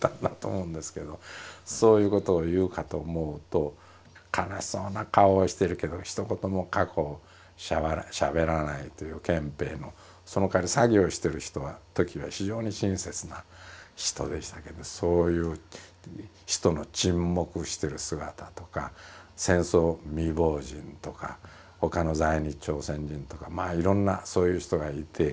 そういうことを言うかと思うと悲しそうな顔をしてるけどひと言も過去をしゃべらないという憲兵のそのかわり作業してるときは非常に親切な人でしたけどそういう人の沈黙してる姿とか戦争未亡人とか他の在日朝鮮人とかまあいろんなそういう人がいて。